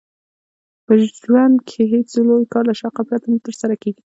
په ژوند کښي هېڅ لوى کار له شوقه پرته نه ترسره کېږي.